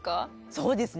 そうですね